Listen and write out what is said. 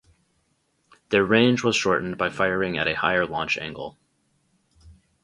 Their range was shortened by firing at a higher launch angle.